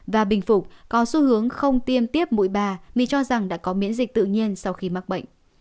và bình phục có xu hướng không tiêm tiếp mũi bà vì cho rằng đã có miễn dịch tự nhiên sau khi mắc bệnh